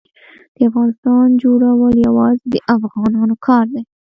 د افغانستان جوړول یوازې د افغانانو کار دی.